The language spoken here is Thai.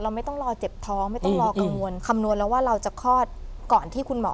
ไม่ต้องรอเจ็บท้องไม่ต้องรอกังวลคำนวณแล้วว่าเราจะคลอดก่อนที่คุณหมอ